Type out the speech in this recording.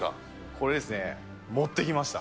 これですね、持ってきました。